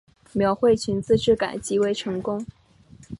描绘裙子质感极为成功